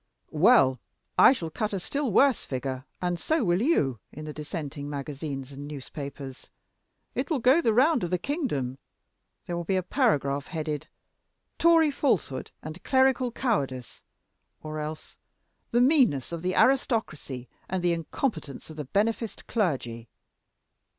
"Well, I shall cut a still worse figure, and so will you, in the Dissenting magazines and newspapers. It will go the round of the kingdom. There will be a paragraph headed, 'Tory Falsehood and Clerical Cowardice,' or else, 'The Meanness of the Aristocracy and the Incompetence of the Beneficed Clergy.'"